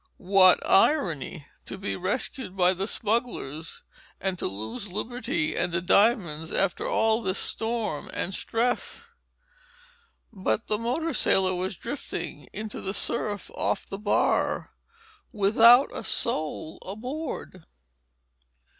What irony!—to be rescued by the smugglers—and to lose liberty and the diamonds after all this storm and stress! But the motor sailor was drifting—into the surf off the bar—without a soul aboard.